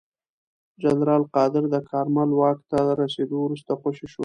جنرال قادر د کارمل واک ته رسېدو وروسته خوشې شو.